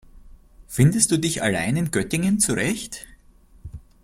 Findest du dich allein in Göttingen zurecht?